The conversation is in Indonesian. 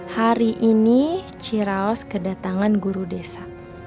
hari ini ciraos kedatangan guru desa